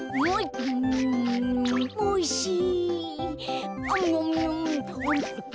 おいしい。